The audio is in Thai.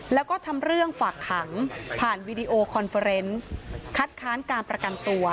แล้วก็ทำเรื่องฝากขังผ่านวีดีโอคอนเฟอร์เนสคัดค้านการประกันตัว